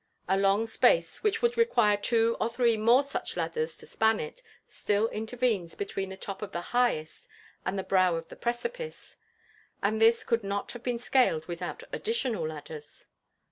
A long space, which would require two or three more such ladders to span it, still intervenes between the top of the highest and the brow of the precipice; and this could not have been scaled without additional ladders.